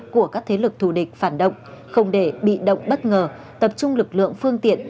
của các thế lực thù địch phản động không để bị động bất ngờ tập trung lực lượng phương tiện